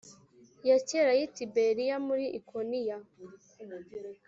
ya kera y i Tiberiya muri ikoniya